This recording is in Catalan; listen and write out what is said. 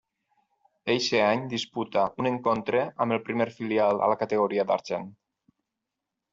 Eixe any disputa un encontre amb el primer filial a la categoria d'argent.